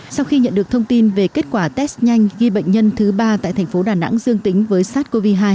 sau khi nhận được thông tin về kết quả test nhanh ghi bệnh nhân thứ ba tại thành phố đà nẵng dương tính với sars cov hai